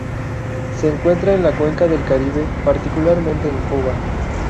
Se encuentra en la cuenca del Caribe, particularmente en Cuba.